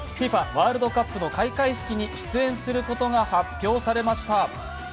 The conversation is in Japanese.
ワールドカップの開会式に出演することが発表されました。